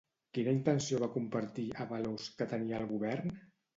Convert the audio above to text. Quina intenció va compartir Ábalos que tenia el govern?